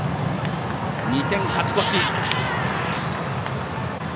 ２点、勝ち越し。